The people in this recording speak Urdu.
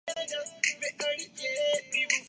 ملازم نے کہا